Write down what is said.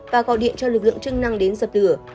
và gọi điện cho lực lượng chức năng đến dập lửa